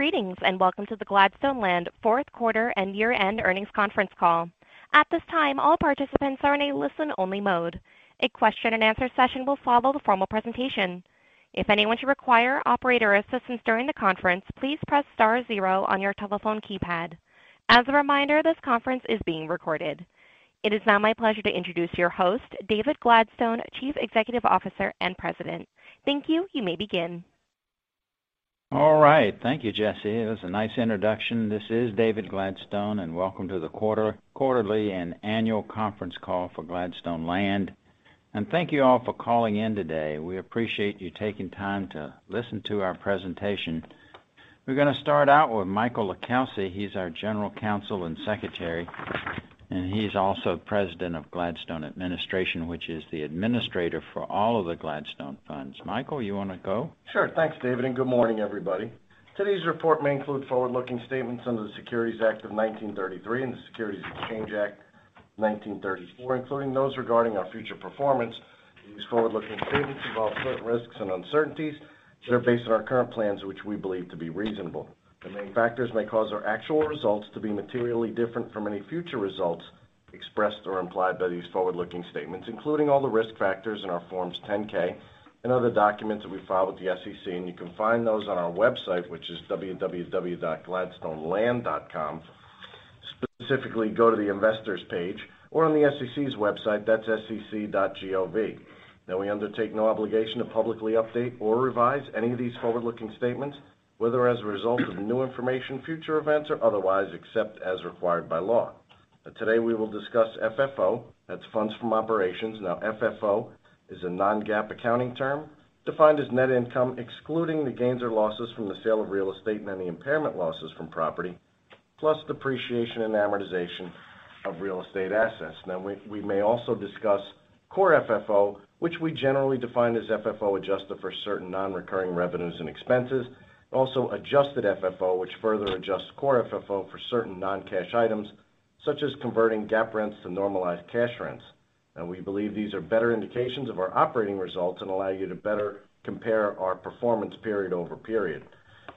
Greetings, and welcome to the Gladstone Land fourth quarter and year-end earnings conference call. At this time, all participants are in a listen-only mode. A question-and-answer session will follow the formal presentation. If anyone should require operator assistance during the conference, please press Star zero on your telephone keypad. As a reminder, this conference is being recorded. It is now my pleasure to introduce your host, David Gladstone, Chief Executive Officer and President. Thank you. You may begin. All right. Thank you, Jesse. It was a nice introduction. This is David Gladstone, and welcome to the quarterly and annual conference call for Gladstone Land. Thank you all for calling in today. We appreciate you taking time to listen to our presentation. We're gonna start out with Michael LiCalsi. He's our General Counsel and Secretary, and he's also President of Gladstone Administration, which is the administrator for all of the Gladstone funds. Michael, you wanna go? Sure. Thanks, David, and good morning, everybody. Today's report may include forward-looking statements under the Securities Act of 1933 and the Securities Exchange Act of 1934, including those regarding our future performance. These forward-looking statements involve certain risks and uncertainties that are based on our current plans, which we believe to be reasonable. The many factors may cause our actual results to be materially different from any future results expressed or implied by these forward-looking statements, including all the Risk Factors in our Form 10-K and other documents that we file with the SEC. You can find those on our website, which is www.gladstoneland.com. Specifically, go to the investors page or on the SEC's website, that's sec.gov. Now, we undertake no obligation to publicly update or revise any of these forward-looking statements, whether as a result of new information, future events, or otherwise, except as required by law. Now, today we will discuss FFO, that's funds from operations. Now, FFO is a non-GAAP accounting term defined as net income, excluding the gains or losses from the sale of real estate and any impairment losses from property, plus depreciation and amortization of real estate assets. Now, we may also discuss Core FFO, which we generally define as FFO adjusted for certain non-recurring revenues and expenses. Also, Adjusted FFO, which further adjusts Core FFO for certain non-cash items, such as converting GAAP rents to normalized cash rents. Now, we believe these are better indications of our operating results and allow you to better compare our performance period over period.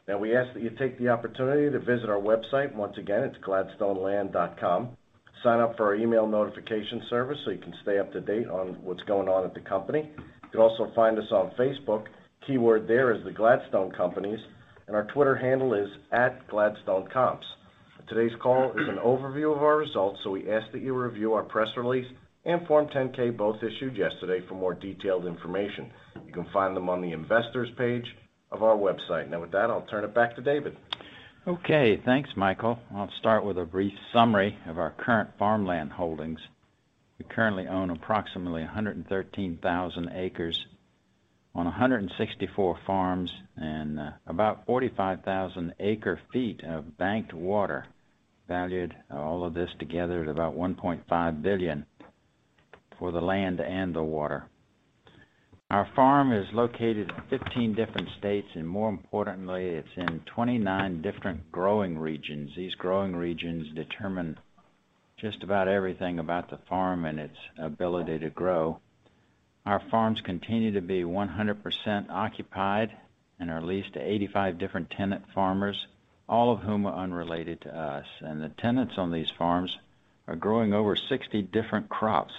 Now, we ask that you take the opportunity to visit our website. Once again, it's gladstoneland.com. Sign up for our email notification service so you can stay up to date on what's going on at the company. You can also find us on Facebook. Keyword there is the Gladstone Companies, and our Twitter handle is @gladstonecomps. Today's call is an overview of our results, so we ask that you review our press release and Form 10-K, both issued yesterday, for more detailed information. You can find them on the investors page of our website. Now, with that, I'll turn it back to David. Okay. Thanks, Michael. I'll start with a brief summary of our current farmland holdings. We currently own approximately 113,000 acres on 164 farms and about 45,000 acre feet of banked water, valued, all of this together, at about $1.5 billion for the land and the water. Our farm is located in 15 different states and more importantly, it's in 29 different growing regions. These growing regions determine just about everything about the farm and its ability to grow. Our farms continue to be 100% occupied and are leased to 85 different tenant farmers, all of whom are unrelated to us. The tenants on these farms are growing over 60 different crops.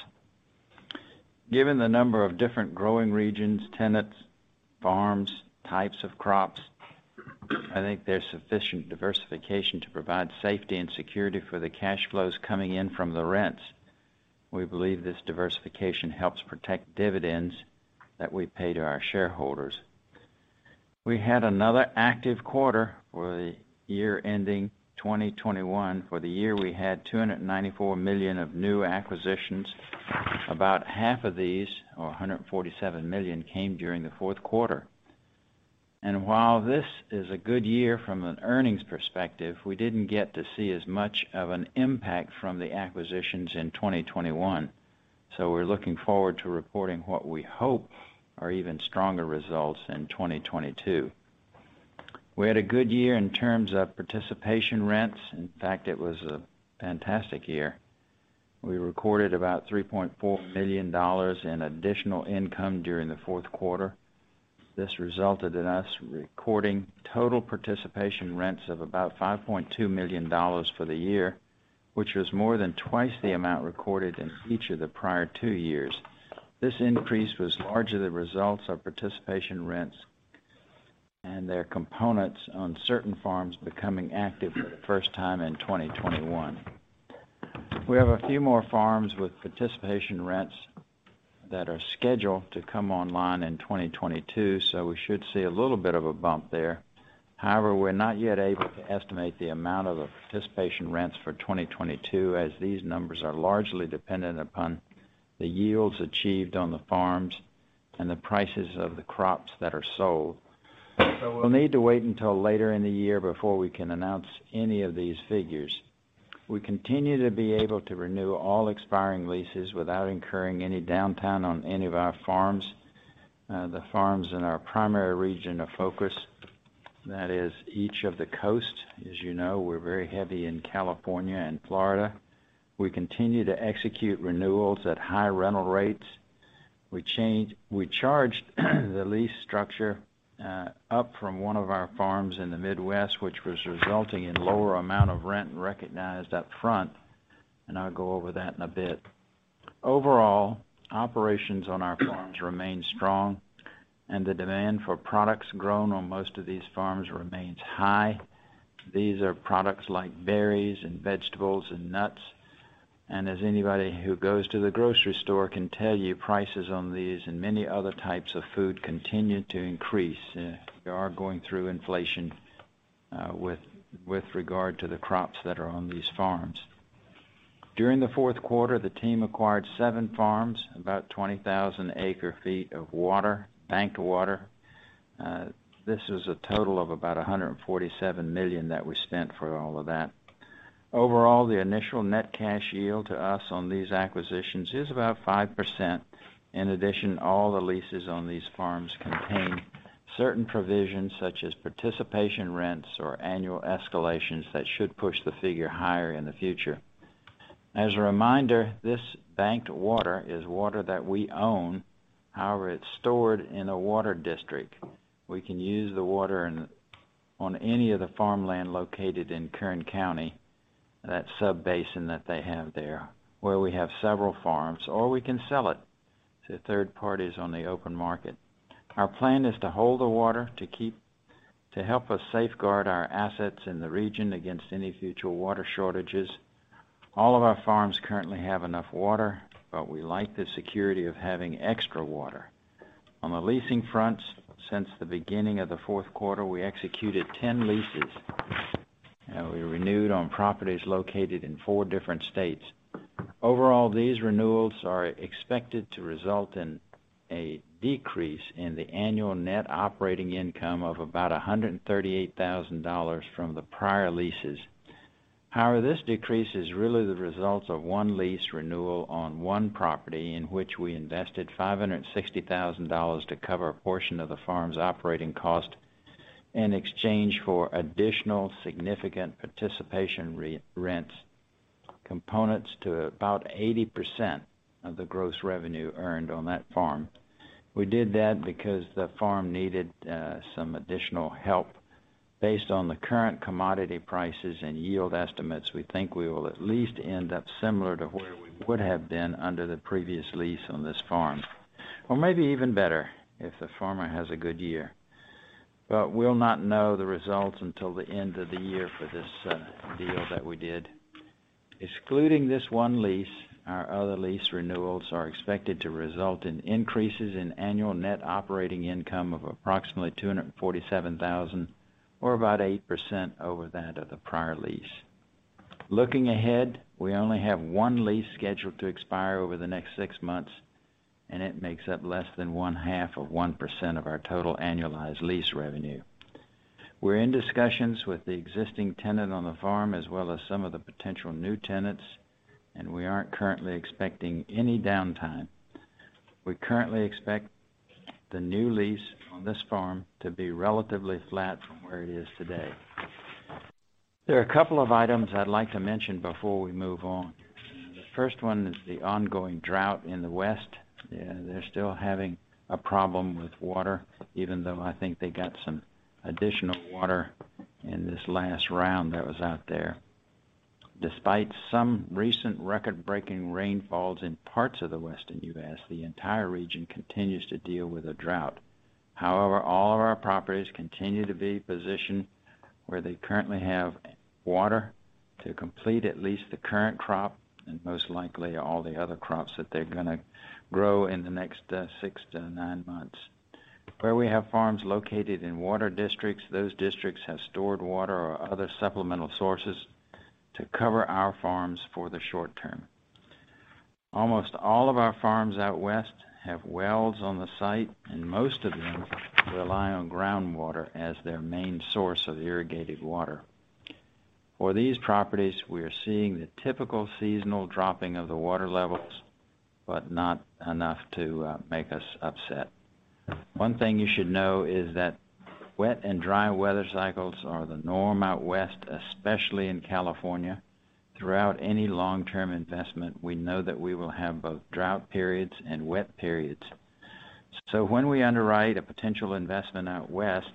Given the number of different growing regions, tenants, farms, types of crops, I think there's sufficient diversification to provide safety and security for the cash flows coming in from the rents. We believe this diversification helps protect dividends that we pay to our shareholders. We had another active quarter for the year ending 2021. For the year, we had $294 million of new acquisitions. About half of these, or $147 million, came during the fourth quarter. While this is a good year from an earnings perspective, we didn't get to see as much of an impact from the acquisitions in 2021. We're looking forward to reporting what we hope are even stronger results in 2022. We had a good year in terms of participation rents. In fact, it was a fantastic year. We recorded about $3.4 million in additional income during the fourth quarter. This resulted in us recording total participation rents of about $5.2 million for the year, which was more than twice the amount recorded in each of the prior two years. This increase was largely the result of participation rents and their components on certain farms becoming active for the first time in 2021. We have a few more farms with participation rents that are scheduled to come online in 2022, so we should see a little bit of a bump there. However, we're not yet able to estimate the amount of the participation rents for 2022, as these numbers are largely dependent upon the yields achieved on the farms and the prices of the crops that are sold. We'll need to wait until later in the year before we can announce any of these figures. We continue to be able to renew all expiring leases without incurring any downtime on any of our farms, the farms in our primary region of focus, that is, each of the coasts. As you know, we're very heavy in California and Florida. We continue to execute renewals at high rental rates. We charged the lease structure up from one of our farms in the Midwest, which was resulting in lower amount of rent recognized up front, and I'll go over that in a bit. Overall, operations on our farms remain strong and the demand for products grown on most of these farms remains high. These are products like berries and vegetables and nuts, and as anybody who goes to the grocery store can tell you, prices on these and many other types of food continue to increase. We are going through inflation, with regard to the crops that are on these farms. During the fourth quarter, the team acquired seven farms, about 20,000 acre feet of water, banked water. This is a total of about $147 million that we spent for all of that. Overall, the initial net cash yield to us on these acquisitions is about 5%. In addition, all the leases on these farms contain certain provisions such as participation rents or annual escalations that should push the figure higher in the future. As a reminder, this banked water is water that we own. However, it's stored in a water district. We can use the water on any of the farmland located in Kern County, that sub-basin that they have there, where we have several farms, or we can sell it to third parties on the open market. Our plan is to hold the water to help us safeguard our assets in the region against any future water shortages. All of our farms currently have enough water, but we like the security of having extra water. On the leasing fronts, since the beginning of the fourth quarter, we executed 10 leases, we renewed on properties located in four different states. Overall, these renewals are expected to result in a decrease in the annual net operating income of about $138,000 from the prior leases. However, this decrease is really the result of one lease renewal on one property in which we invested $560,000 to cover a portion of the farm's operating cost in exchange for additional significant participation rent components to about 80% of the gross revenue earned on that farm. We did that because the farm needed some additional help. Based on the current commodity prices and yield estimates, we think we will at least end up similar to where we would have been under the previous lease on this farm. Maybe even better if the farmer has a good year. We'll not know the results until the end of the year for this deal that we did. Excluding this one lease, our other lease renewals are expected to result in increases in annual net operating income of approximately $247,000 or about 8% over that of the prior lease. Looking ahead, we only have one lease scheduled to expire over the next six months, and it makes up less than 0.5% of our total annualized lease revenue. We're in discussions with the existing tenant on the farm, as well as some of the potential new tenants, and we aren't currently expecting any downtime. We currently expect the new lease on this farm to be relatively flat from where it is today. There are a couple of items I'd like to mention before we move on. The first one is the ongoing drought in the West. They're still having a problem with water, even though I think they got some additional water in this last round that was out there. Despite some recent record-breaking rainfalls in parts of the Western U.S., the entire region continues to deal with the drought. However, all of our properties continue to be positioned where they currently have water to complete at least the current crop and most likely all the other crops that they're gonna grow in the next six-nine months. Where we have farms located in water districts, those districts have stored water or other supplemental sources to cover our farms for the short-term. Almost all of our farms out west have wells on the site, and most of them rely on groundwater as their main source of irrigated water. For these properties, we are seeing the typical seasonal dropping of the water levels, but not enough to make us upset. One thing you should know is that wet and dry weather cycles are the norm out West, especially in California. Throughout any long-term investment, we know that we will have both drought periods and wet periods. When we underwrite a potential investment out West,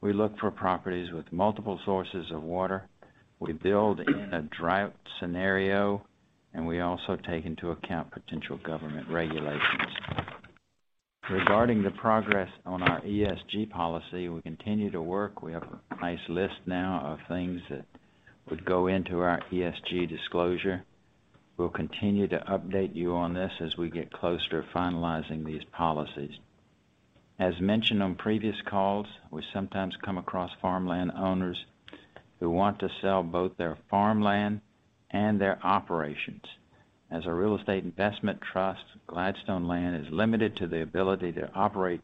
we look for properties with multiple sources of water. We build in a drought scenario, and we also take into account potential government regulations. Regarding the progress on our ESG policy, we continue to work. We have a nice list now of things that would go into our ESG disclosure. We'll continue to update you on this as we get closer to finalizing these policies. As mentioned on previous calls, we sometimes come across farmland owners who want to sell both their farmland and their operations. As a real estate investment trust, Gladstone Land is limited to the ability to operate,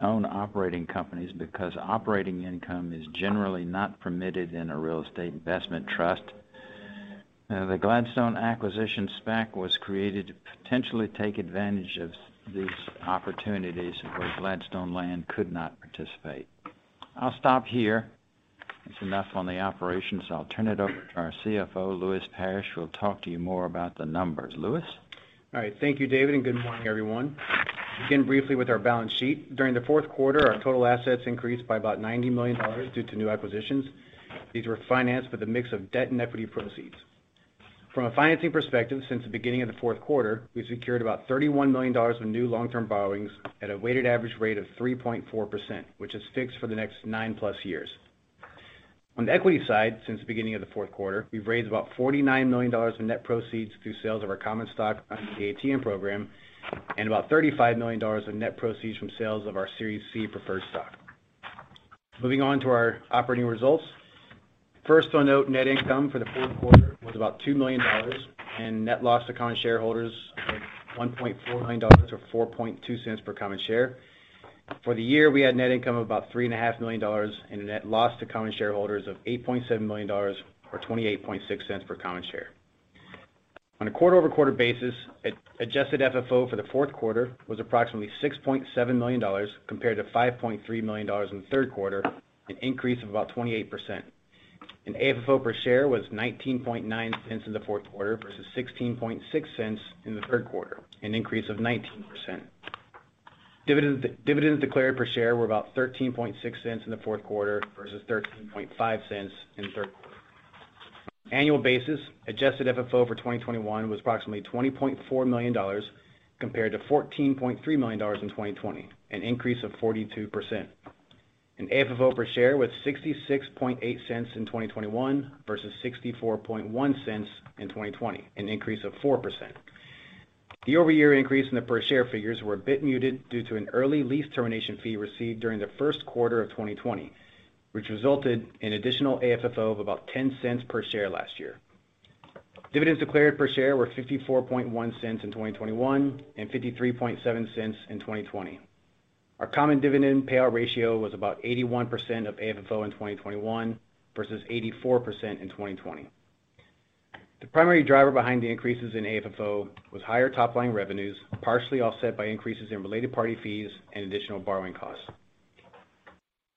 own operating companies because operating income is generally not permitted in a real estate investment trust. The Gladstone Acquisition SPAC was created to potentially take advantage of these opportunities where Gladstone Land could not participate. I'll stop here. That's enough on the operations. I'll turn it over to our CFO, Lewis Parrish, who will talk to you more about the numbers. Lewis? All right. Thank you, David, and good morning, everyone. To begin briefly with our balance sheet, during the fourth quarter, our total assets increased by about $90 million due to new acquisitions. These were financed with a mix of debt and equity proceeds. From a financing perspective, since the beginning of the fourth quarter, we've secured about $31 million of new long-term borrowings at a weighted average rate of 3.4%, which is fixed for the next 9+ years. On the equity side, since the beginning of the fourth quarter, we've raised about $49 million in net proceeds through sales of our common stock under the ATM program and about $35 million in net proceeds from sales of our Series C preferred stock. Moving on to our operating results. First, I'll note net income for the fourth quarter was about $2 million, and net loss to common shareholders of $1.4 million, or $0.042 per common share. For the year, we had net income of about $3.5 million and a net loss to common shareholders of $8.7 million, or $0.286 per common share. On a quarter-over-quarter basis, adjusted FFO for the fourth quarter was approximately $6.7 million, compared to $5.3 million in the third quarter, an increase of about 28%. AFFO per share was $0.199 in the fourth quarter versus $0.166 in the third quarter, an increase of 19%. Dividends declared per share were about $0.136 in the fourth quarter versus $0.135 in the third quarter. Annual basis, Adjusted FFO for 2021 was approximately $20.4 million compared to $14.3 million in 2020, an increase of 42%. AFFO per share was $0.668 in 2021 versus $0.641 in 2020, an increase of 4%. The year-over-year increase in the per share figures were a bit muted due to an early lease termination fee received during the first quarter of 2020, which resulted in additional AFFO of about $0.10 per share last year. Dividends declared per share were $0.541 in 2021 and $0.537 in 2020. Our common dividend payout ratio was about 81% of AFFO in 2021 versus 84% in 2020. The primary driver behind the increases in AFFO was higher top-line revenues, partially offset by increases in related party fees and additional borrowing costs.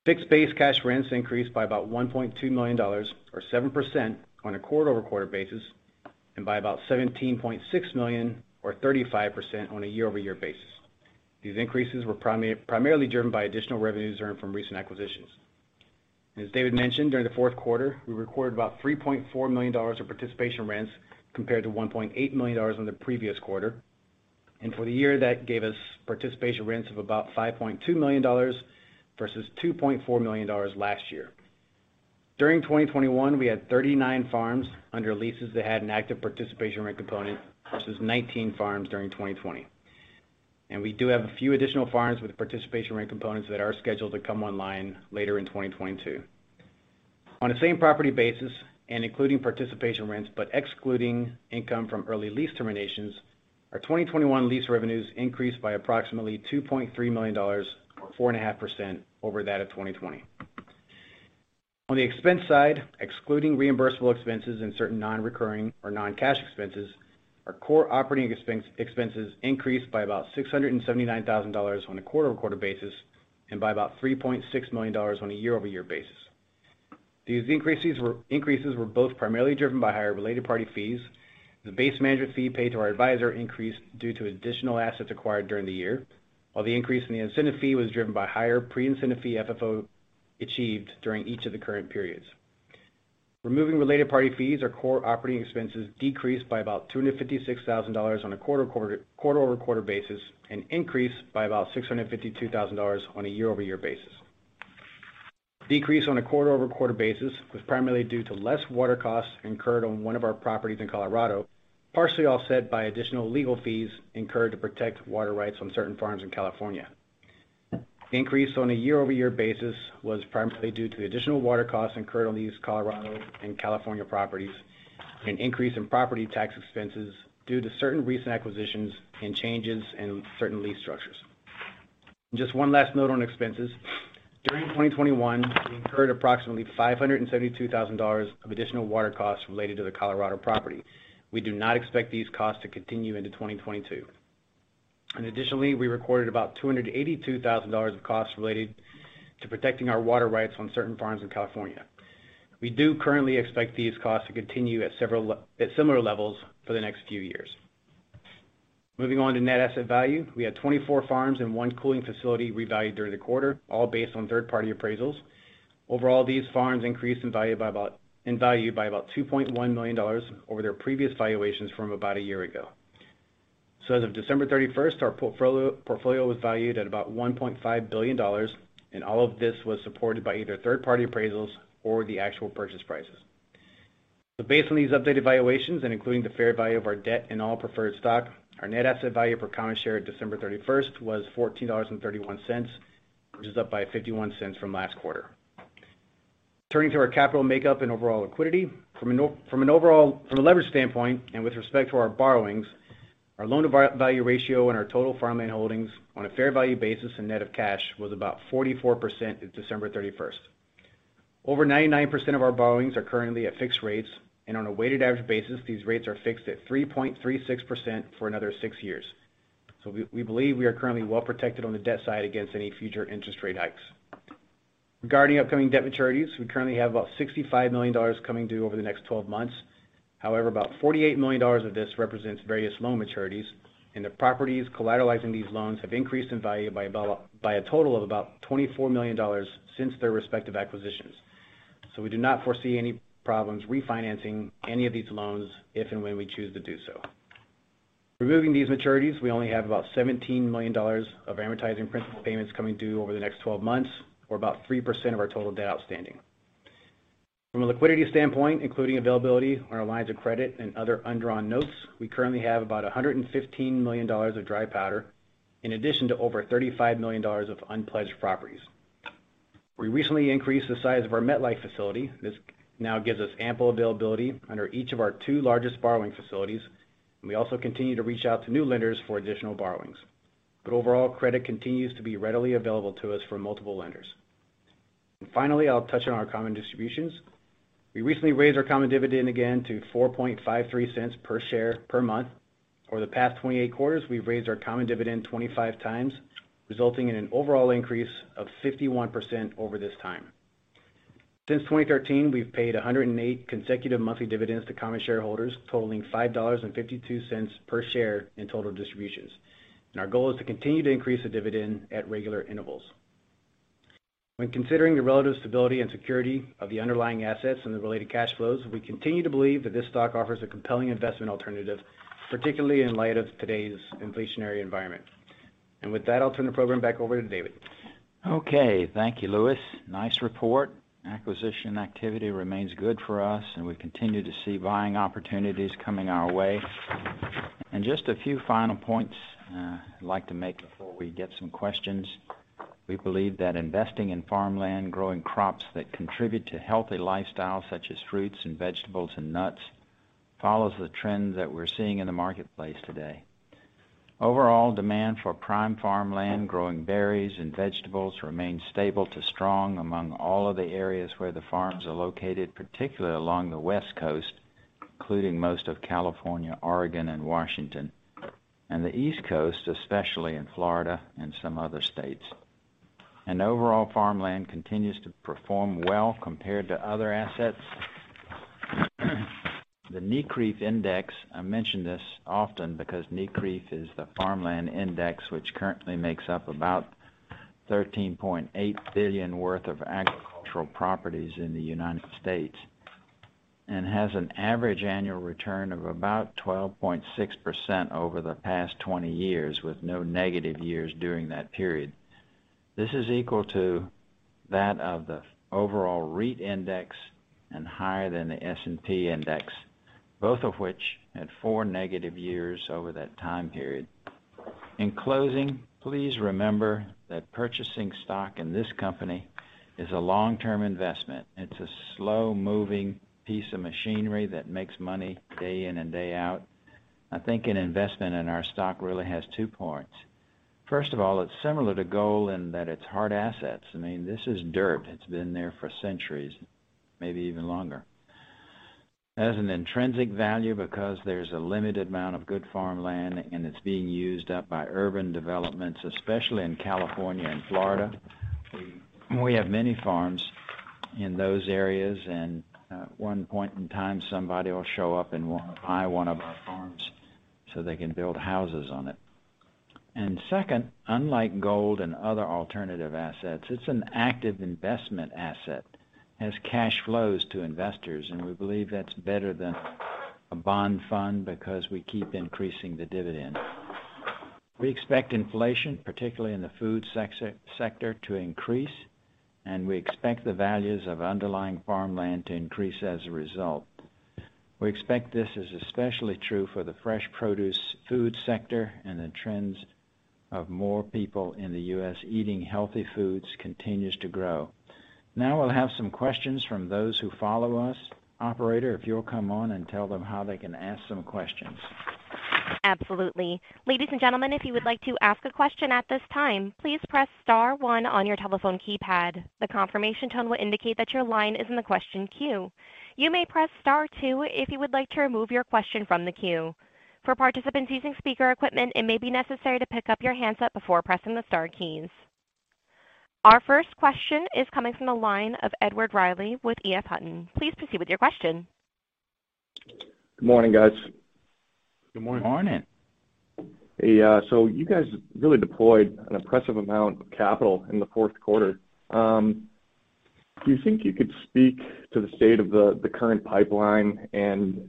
Fixed-base cash rents increased by about $1.2 million, or 7% on a quarter-over-quarter basis, and by about $17.6 million, or 35% on a year-over-year basis. These increases were primarily driven by additional revenues earned from recent acquisitions. As David mentioned, during the fourth quarter, we recorded about $3.4 million of participation rents compared to $1.8 million in the previous quarter. For the year, that gave us participation rents of about $5.2 million versus $2.4 million last year. During 2021, we had 39 farms under leases that had an active participation rent component, versus 19 farms during 2020. We do have a few additional farms with participation rent components that are scheduled to come online later in 2022. On a same-property basis and including participation rents, but excluding income from early lease terminations, our 2021 lease revenues increased by approximately $2.3 million, or 4.5% over that of 2020. On the expense side, excluding reimbursable expenses and certain non-recurring or non-cash expenses, our core operating expenses increased by about $679,000 on a quarter-over-quarter basis and by about $3.6 million on a year-over-year basis. These increases were both primarily driven by higher related party fees. The base management fee paid to our advisor increased due to additional assets acquired during the year, while the increase in the incentive fee was driven by higher pre-incentive fee FFO achieved during each of the current periods. Removing related party fees or core operating expenses decreased by about $256 thousand on a quarter-over-quarter basis and increased by about $652 thousand on a year-over-year basis. Decrease on a quarter-over-quarter basis was primarily due to less water costs incurred on one of our properties in Colorado, partially offset by additional legal fees incurred to protect water rights on certain farms in California. Increase on a year-over-year basis was primarily due to the additional water costs incurred on these Colorado and California properties, an increase in property tax expenses due to certain recent acquisitions and changes in certain lease structures. Just one last note on expenses. During 2021, we incurred approximately $572,000 of additional water costs related to the Colorado property. We do not expect these costs to continue into 2022. Additionally, we recorded about $282,000 of costs related to protecting our water rights on certain farms in California. We do currently expect these costs to continue at similar levels for the next few years. Moving on to net asset value. We had 24 farms and one cooling facility revalued during the quarter, all based on third-party appraisals. Overall, these farms increased in value by about $2.1 million over their previous valuations from about a year ago. As of December 31st, our portfolio was valued at about $1.5 billion, and all of this was supported by either third-party appraisals or the actual purchase prices. Based on these updated valuations and including the fair value of our debt and all preferred stock, our net asset value per common share at December 31st was $14.31, which is up by $0.51 from last quarter. Turning to our capital makeup and overall liquidity. From a leverage standpoint and with respect to our borrowings, our loan-to-value ratio and our total farmland holdings on a fair value basis and net of cash was about 44% at December 31st. Over 99% of our borrowings are currently at fixed rates, and on a weighted average basis, these rates are fixed at 3.36% for another six years. We believe we are currently well-protected on the debt side against any future interest rate hikes. Regarding upcoming debt maturities, we currently have about $65 million coming due over the next 12 months. However, about $48 million of this represents various loan maturities, and the properties collateralizing these loans have increased in value by a total of about $24 million since their respective acquisitions. We do not foresee any problems refinancing any of these loans if and when we choose to do so. Removing these maturities, we only have about $17 million of amortizing principal payments coming due over the next 12 months, or about 3% of our total debt outstanding. From a liquidity standpoint, including availability on our lines of credit and other undrawn notes, we currently have about $115 million of dry powder in addition to over $35 million of unpledged properties. We recently increased the size of our MetLife facility. This now gives us ample availability under each of our two largest borrowing facilities, and we also continue to reach out to new lenders for additional borrowings. Overall, credit continues to be readily available to us from multiple lenders. Finally, I'll touch on our Common Distributions. We recently raised our common dividend again to $0.0453 per share per month. Over the past 28 quarters, we've raised our common dividend 25x, resulting in an overall increase of 51% over this time. Since 2013, we've paid 108 consecutive monthly dividends to common shareholders, totaling $5.52 per share in total distributions. Our goal is to continue to increase the dividend at regular intervals. When considering the relative stability and security of the underlying assets and the related cash flows, we continue to believe that this stock offers a compelling investment alternative, particularly in light of today's inflationary environment. With that, I'll turn the program back over to David. Okay, thank you, Lewis. Nice report. Acquisition activity remains good for us, and we continue to see buying opportunities coming our way. Just a few final points, I'd like to make before we get some questions. We believe that investing in farmland, growing crops that contribute to healthy lifestyles, such as fruits and vegetables and nuts, follows the trends that we're seeing in the marketplace today. Overall, demand for prime farmland growing berries and vegetables remains stable to strong among all of the areas where the farms are located, particularly along the West Coast, including most of California, Oregon, and Washington, and the East Coast, especially in Florida and some other states. Overall, farmland continues to perform well compared to other assets. The NCREIF index, I mention this often because NCREIF is the farmland index which currently makes up about $13.8 billion worth of agricultural properties in the United States and has an average annual return of about 12.6% over the past 20 years, with no negative years during that period. This is equal to that of the overall REIT index and higher than the S&P index, both of which had four negative years over that time period. In closing, please remember that purchasing stock in this company is a long-term investment. It's a slow-moving piece of machinery that makes money day in and day out. I think an investment in our stock really has two points. First of all, it's similar to gold in that it's hard assets. I mean, this is dirt. It's been there for centuries, maybe even longer. It has an intrinsic value because there's a limited amount of good farmland, and it's being used up by urban developments, especially in California and Florida. We have many farms in those areas, and at one point in time, somebody will show up and will buy one of our farms so they can build houses on it. Second, unlike gold and other alternative assets, it's an active investment asset, has cash flows to investors, and we believe that's better than a bond fund because we keep increasing the dividend. We expect inflation, particularly in the food sector, to increase, and we expect the values of underlying farmland to increase as a result. We expect this is especially true for the fresh produce food sector and the trends of more people in the U.S. eating healthy foods continues to grow. Now we'll have some questions from those who follow us. Operator, if you'll come on and tell them how they can ask some questions. Absolutely. Ladies and gentlemen, if you would like to ask a question at this time, please press Star one on your telephone keypad. The confirmation tone will indicate that your line is in the question queue. You may press Star two if you would like to remove your question from the queue. For participants using speaker equipment, it may be necessary to pick up your handset before pressing the Star keys. Our first question is coming from the line of Edward Reilly with EF Hutton. Please proceed with your question. Good morning, guys. Good morning. Morning. Hey, you guys really deployed an impressive amount of capital in the fourth quarter. Do you think you could speak to the state of the current pipeline and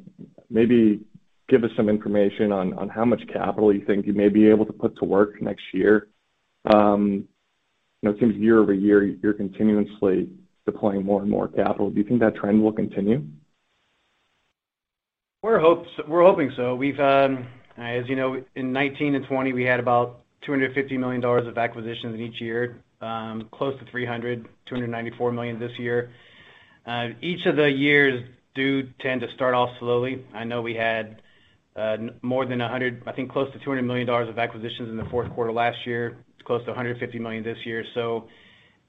maybe give us some information on how much capital you think you may be able to put to work next year? You know, it seems year-over-year, you're continuously deploying more and more capital. Do you think that trend will continue? We're hoping so. We've, as you know, in 2019 and 2020, we had about $250 million of acquisitions in each year, close to $300 million, $294 million this year. Each of the years do tend to start off slowly. I know we had more than $100 million, I think close to $200 million of acquisitions in the fourth quarter last year. It's close to $150 million this year.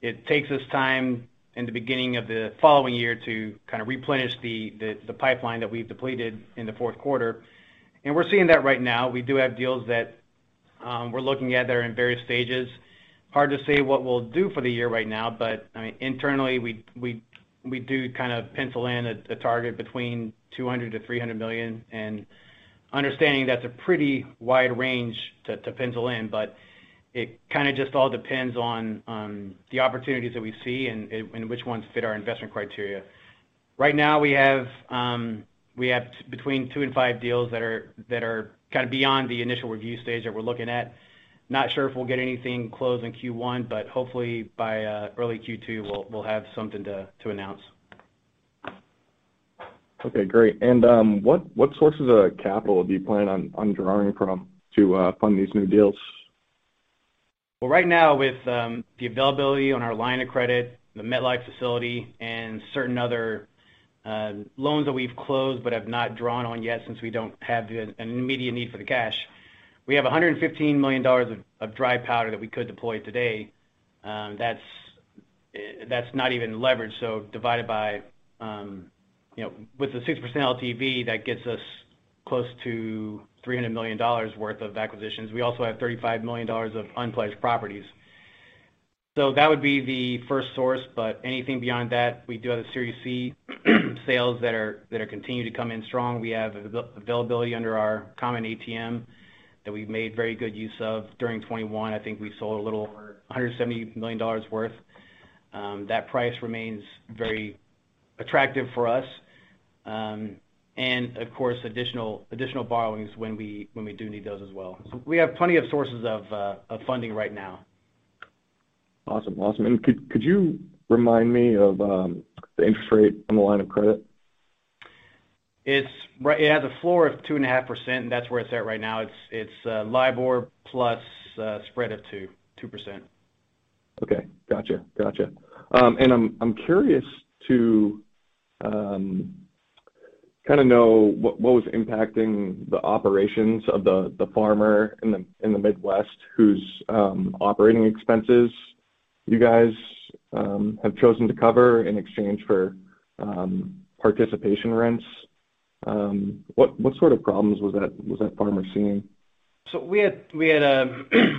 It takes us time in the beginning of the following year to kind of replenish the pipeline that we've depleted in the fourth quarter. We're seeing that right now. We do have deals that we're looking at. They're in various stages. Hard to say what we'll do for the year right now, but I mean, internally, we do kind of pencil in a target between $200 million-$300 million. Understanding that's a pretty wide range to pencil in, but it kind of just all depends on the opportunities that we see and which ones fit our investment criteria. Right now we have between two and five deals that are kind of beyond the initial review stage that we're looking at. Not sure if we'll get anything closed in Q1, but hopefully by early Q2, we'll have something to announce. Okay, great. What sources of capital do you plan on drawing from to fund these new deals? Well, right now with the availability on our line of credit, the MetLife facility and certain other loans that we've closed but have not drawn on yet, since we don't have an immediate need for the cash, we have $115 million of dry powder that we could deploy today. That's not even leveraged, so divided by, you know, with the 6% LTV, that gets us close to $300 million worth of acquisitions. We also have $35 million of unpledged properties. So that would be the first source. But anything beyond that, we do have the Series C sales that are continuing to come in strong. We have availability under our common ATM that we've made very good use of during 2021. I think we sold a little over $170 million worth. That price remains very attractive for us. Of course, additional borrowings when we do need those as well. We have plenty of sources of funding right now. Awesome. Could you remind me of the interest rate on the line of credit? It has a floor of 2.5%, and that's where it's at right now. It's LIBOR+ a spread of 2%. Okay. Gotcha. I'm curious to kind of know what was impacting the operations of the farmer in the Midwest whose operating expenses you guys have chosen to cover in exchange for participation rents. What sort of problems was that farmer seeing? We had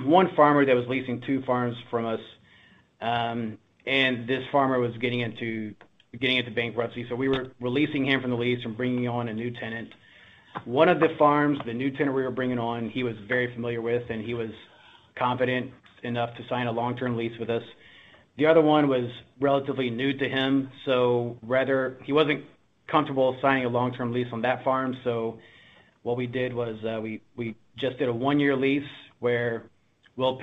one farmer that was leasing two farms from us. This farmer was getting into bankruptcy, so we were releasing him from the lease and bringing on a new tenant. One of the farms, the new tenant we were bringing on, he was very familiar with, and he was confident enough to sign a long-term lease with us. The other one was relatively new to him, so rather he wasn't comfortable signing a long-term lease on that farm. What we did was, we just did a one-year lease where we'll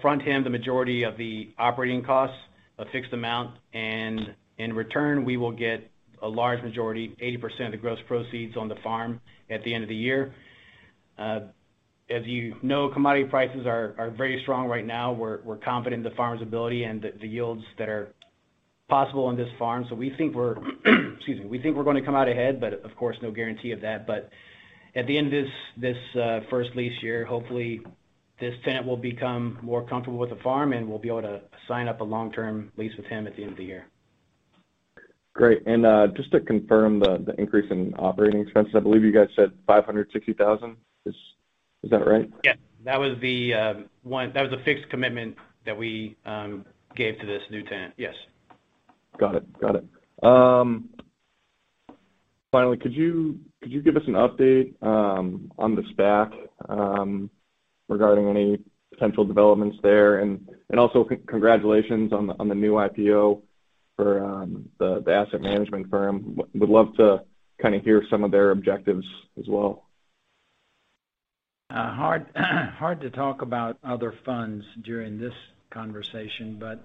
front him the majority of the operating costs, a fixed amount, and in return, we will get a large majority, 80% of the gross proceeds on the farm at the end of the year. As you know, commodity prices are very strong right now. We're confident in the farmer's ability and the yields that are possible on this farm. We think we're going to come out ahead, but of course, no guarantee of that. At the end of this first lease year, hopefully this tenant will become more comfortable with the farm, and we'll be able to sign up a long-term lease with him at the end of the year. Great. Just to confirm the increase in operating expenses, I believe you guys said $560,000. Is that right? Yeah, that was the fixed commitment that we gave to this new tenant. Yes. Got it. Finally, could you give us an update on the SPAC regarding any potential developments there? Also congratulations on the new IPO for the asset management firm. Would love to kind of hear some of their objectives as well. Hard to talk about other funds during this conversation, but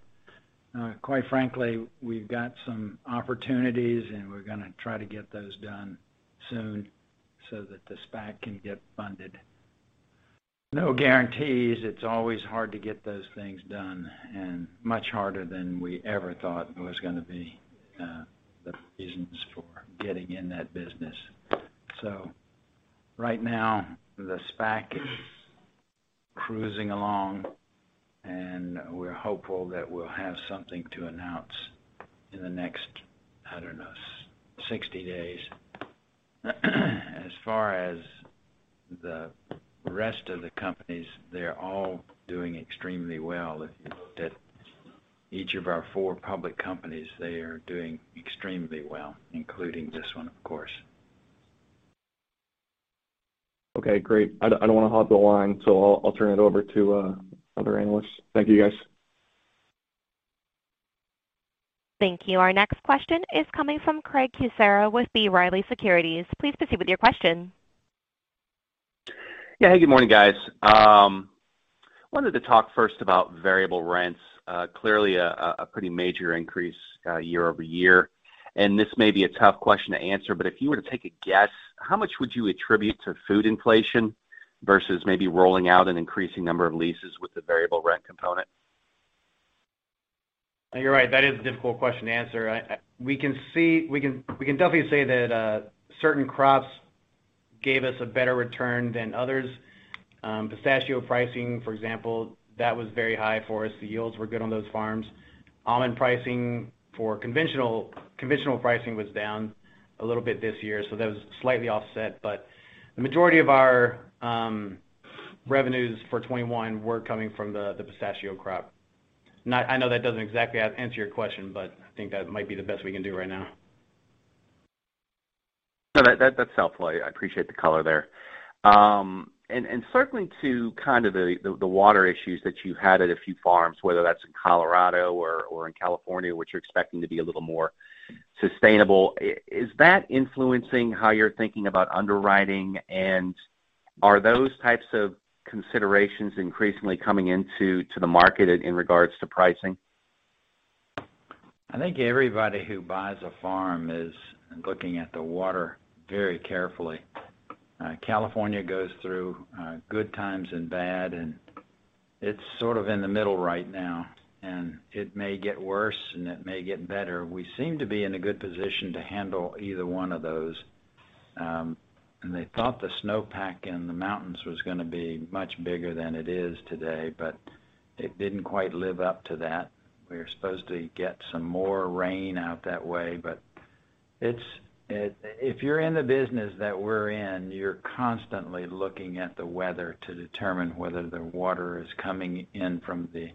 quite frankly, we've got some opportunities, and we're gonna try to get those done soon so that the SPAC can get funded. No guarantees, it's always hard to get those things done and much harder than we ever thought it was gonna be, the reasons for getting in that business. Right now, the SPAC is cruising along, and we're hopeful that we'll have something to announce in the next, I don't know, 60 days. As far as the rest of the companies, they're all doing extremely well. If you looked at each of our four public companies, they are doing extremely well, including this one of course. Okay, great. I don't want to hog the line, so I'll turn it over to other analysts. Thank you, guys. Thank you. Our next question is coming from Craig Kucera with B. Riley Securities. Please proceed with your question. Yeah. Hey, good morning, guys. Wanted to talk first about variable rents. Clearly a pretty major increase year-over-year. This may be a tough question to answer, but if you were to take a guess, how much would you attribute to food inflation versus maybe rolling out an increasing number of leases with the variable rent component? You're right. That is a difficult question to answer. We can definitely say that certain crops gave us a better return than others. Pistachio pricing, for example, that was very high for us. The yields were good on those farms. Almond pricing for conventional pricing was down a little bit this year, so that was slightly offset. But the majority of our revenues for 2021 were coming from the pistachio crop. I know that doesn't exactly answer your question, but I think that might be the best we can do right now. No, that's helpful. I appreciate the color there. And circling to kind of the water issues that you had at a few farms, whether that's in Colorado or in California, which you're expecting to be a little more sustainable. Is that influencing how you're thinking about underwriting? Are those types of considerations increasingly coming into the market in regards to pricing? I think everybody who buys a farm is looking at the water very carefully. California goes through good times and bad, and it's sort of in the middle right now, and it may get worse, and it may get better. We seem to be in a good position to handle either one of those. They thought the snowpack in the mountains was gonna be much bigger than it is today, but it didn't quite live up to that. We're supposed to get some more rain out that way, but it's if you're in the business that we're in, you're constantly looking at the weather to determine whether the water is coming in from the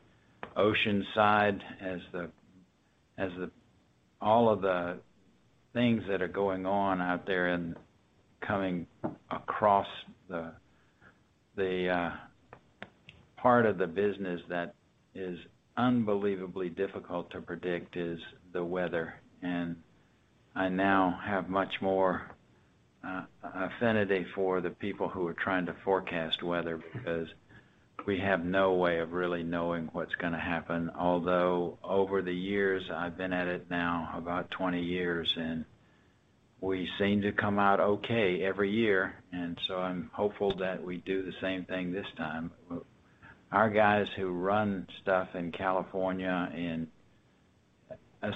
ocean side as the. All of the things that are going on out there and coming across the part of the business that is unbelievably difficult to predict is the weather. I now have much more affinity for the people who are trying to forecast weather because we have no way of really knowing what's gonna happen. Although over the years, I've been at it now about 20 years, and we seem to come out okay every year. I'm hopeful that we do the same thing this time. Our guys who run stuff in California, and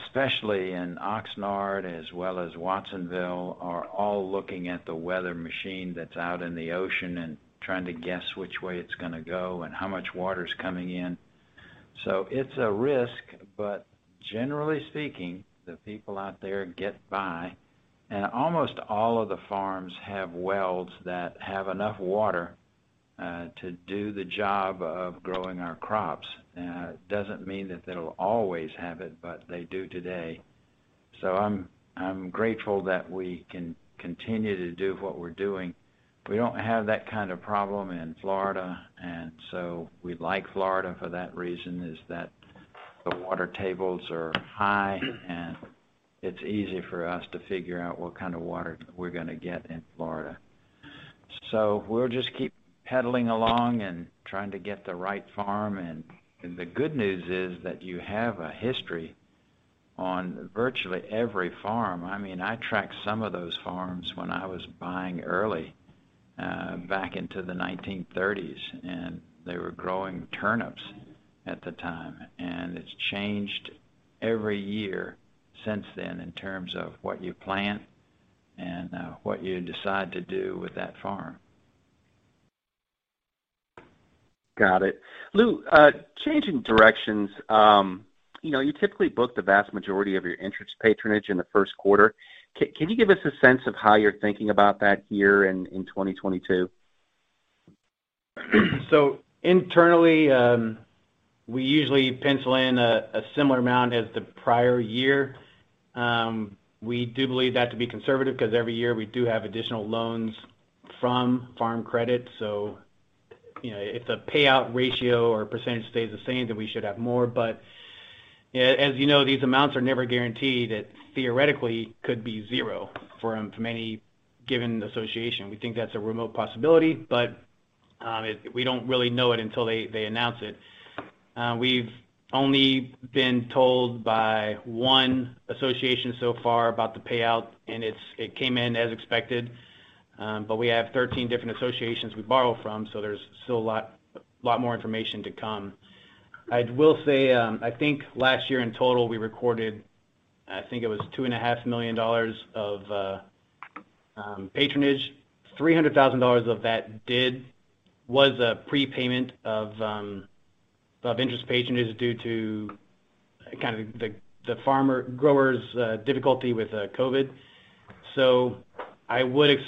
especially in Oxnard as well as Watsonville, are all looking at the weather machine that's out in the ocean and trying to guess which way it's gonna go and how much water is coming in. It's a risk, but generally speaking, the people out there get by, and almost all of the farms have wells that have enough water to do the job of growing our crops. It doesn't mean that they'll always have it, but they do today. I'm grateful that we can continue to do what we're doing. We don't have that kind of problem in Florida, and so we like Florida for that reason, is that the water tables are high and it's easy for us to figure out what kind of water we're gonna get in Florida. We'll just keep pedaling along and trying to get the right farm. The good news is that you have a history on virtually every farm. I mean, I tracked some of those farms when I was buying early back in the 1930s, and they were growing turnips at the time. It's changed every year since then in terms of what you plant and what you decide to do with that farm. Got it. Lou, changing directions, you know, you typically book the vast majority of your interest patronage in the first quarter. Can you give us a sense of how you're thinking about that in 2022? Internally, we usually pencil in a similar amount as the prior year. We do believe that to be conservative because every year we do have additional loans from Farm Credit. You know, if the payout ratio or percentage stays the same, then we should have more. As you know, these amounts are never guaranteed. It theoretically could be zero from any given association. We think that's a remote possibility, but we don't really know it until they announce it. We've only been told by one association so far about the payout, and it came in as expected. We have 13 different associations we borrow from, so there's still a lot more information to come. I will say, I think last year in total, we recorded, I think it was $2.5 million of patronage. $300,000 of that was a prepayment of interest patronage due to kind of the growers' difficulty with COVID. I would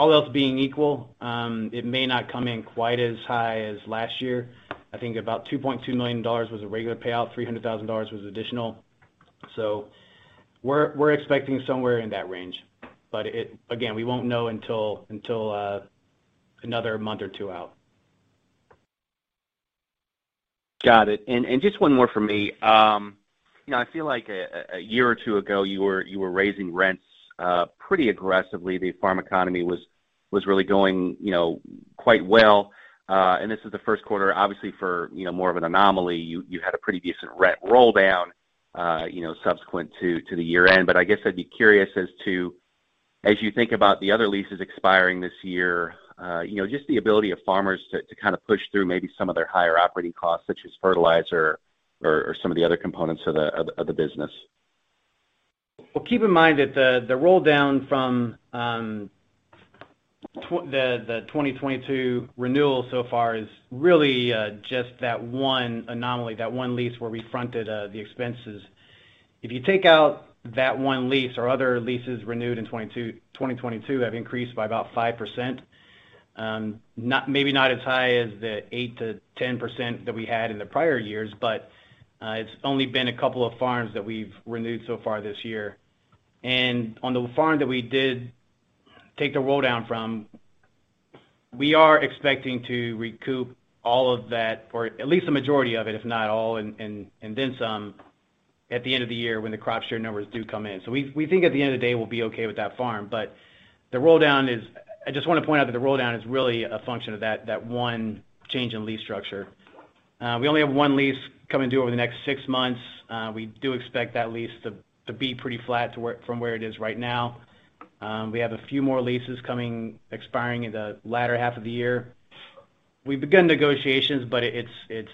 all else being equal, it may not come in quite as high as last year. I think about $2.2 million was a regular payout, $300,000 was additional. So we're expecting somewhere in that range. But it again, we won't know until another month or two out. Got it. Just one more from me. You know, I feel like a year or two ago, you were raising rents pretty aggressively. The farm economy was really going, you know, quite well. This is the first quarter, obviously, for, you know, more of an anomaly. You had a pretty decent rent roll down, you know, subsequent to the year-end. I guess I'd be curious as to, as you think about the other leases expiring this year, you know, just the ability of farmers to kind of push through maybe some of their higher operating costs, such as fertilizer or some of the other components of the business. Well, keep in mind that the roll down from the 2022 renewal so far is really just that one anomaly, that one lease where we fronted the expenses. If you take out that one lease, our other leases renewed in 2022 have increased by about 5%. Maybe not as high as the 8%-10% that we had in the prior years, but it's only been a couple of farms that we've renewed so far this year. On the farm that we did take the rolldown from, we are expecting to recoup all of that, or at least the majority of it, if not all, and then some at the end of the year when the crop share numbers do come in. We think at the end of the day, we'll be okay with that farm. The rolldown is. I just wanna point out that the rolldown is really a function of that one change in lease structure. We only have one lease coming due over the next six months. We do expect that lease to be pretty flat to where it is right now. We have a few more leases expiring in the latter half of the year. We've begun negotiations, but it's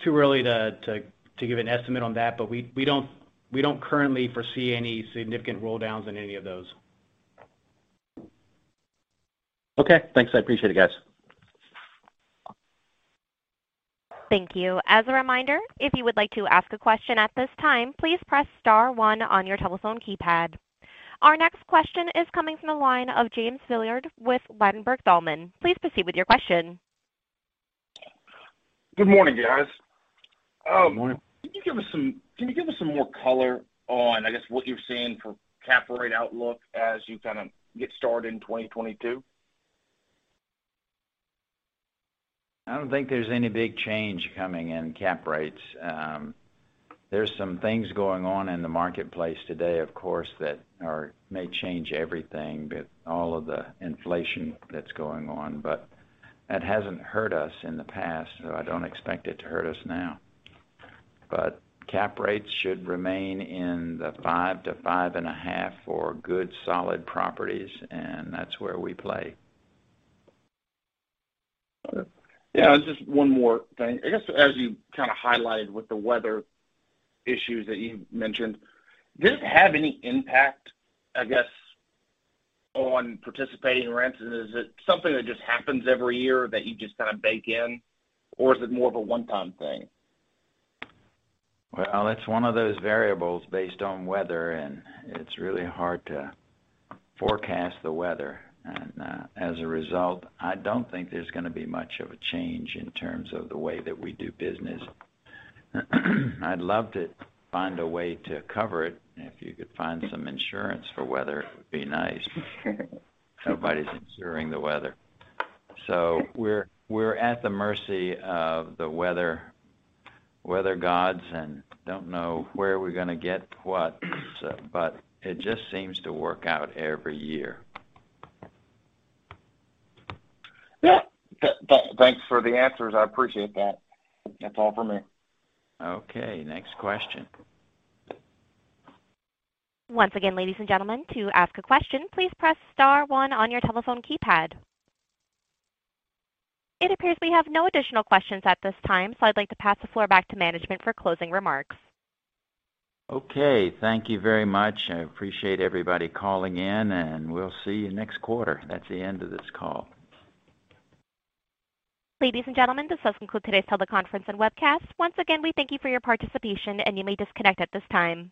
too early to give an estimate on that. We don't currently foresee any significant rolldowns in any of those. Okay. Thanks. I appreciate it, guys. Thank you. As a reminder, if you would like to ask a question at this time, please press Star one on your telephone keypad. Our next question is coming from the line of James Villard with Ladenburg Thalmann. Please proceed with your question. Good morning, guys. Good morning. Can you give us some more color on, I guess, what you're seeing for cap rate outlook as you kind of get started in 2022? I don't think there's any big change coming in cap rates. There's some things going on in the marketplace today, of course, that may change everything with all of the inflation that's going on, but that hasn't hurt us in the past, so I don't expect it to hurt us now. Cap rates should remain in the 5%-5.5% for good solid properties, and that's where we play. Yeah. Just one more thing. I guess, as you kind of highlighted with the weather issues that you mentioned, does it have any impact, I guess, on participation rents? Is it something that just happens every year that you just kind of bake in, or is it more of a one-time thing? Well, it's one of those variables based on weather, and it's really hard to forecast the weather. As a result, I don't think there's gonna be much of a change in terms of the way that we do business. I'd love to find a way to cover it. If you could find some insurance for weather, it would be nice. Nobody's insuring the weather. We're at the mercy of the weather gods and don't know where we're gonna get what, but it just seems to work out every year. Yeah. Thanks for the answers. I appreciate that. That's all for me. Okay. Next question. Once again, ladies and gentlemen, to ask a question, please press Star one on your telephone keypad. It appears we have no additional questions at this time, so I'd like to pass the floor back to management for closing remarks. Okay. Thank you very much. I appreciate everybody calling in, and we'll see you next quarter. That's the end of this call. Ladies and gentlemen, this does conclude today's teleconference and webcast. Once again, we thank you for your participation, and you may disconnect at this time.